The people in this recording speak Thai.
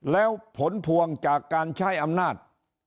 แล้วผลพวงจากการใช้อำนาจ